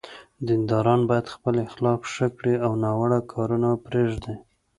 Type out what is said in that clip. دینداران باید خپل اخلاق ښه کړي او ناوړه کارونه پرېږدي.